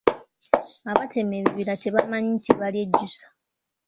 Abatema ebibira tebamanyi nti balyejjusa.